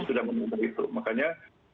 sudah menurut saya itu makanya